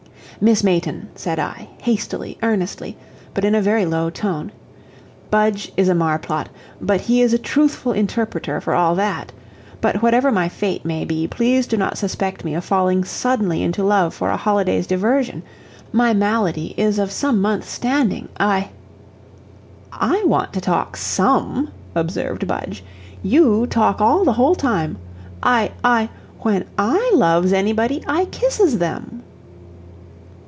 "Miss Mayton," said I, hastily, earnestly, but in a very low tone, "Budge is a marplot, but he is a truthful interpreter for all that. But whatever my fate may be, please do not suspect me of falling suddenly into love for a holiday's diversion. My malady is of some months' standing. I " "I want to talk SOME," observed Budge. "You talk all the whole time. I I when I loves anybody I kisses them."